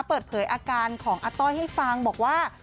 เปิดเผยอาการของอาต้อยให้ฟังบอกว่า